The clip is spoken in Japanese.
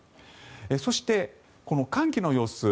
そしてこの寒気の様子